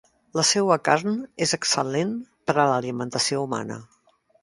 La seua carn és excel·lent per a l'alimentació humana.